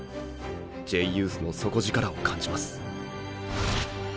Ｊユースの底力を感じます。